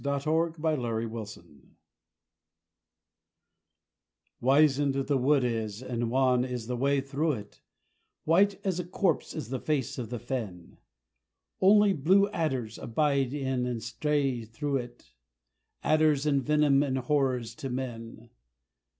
The Curse of Mother Flood Wizened the wood is, and wan is the way through it; White as a corpse is the face of the fen; Only blue adders abide in and stray through it Adders and venom and horrors to men.